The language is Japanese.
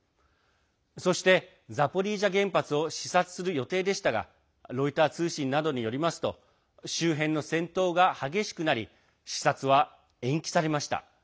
そして、ザポリージャ原発を視察する予定でしたがロイター通信などによりますと周辺の戦闘が激しくなり視察は延期されました。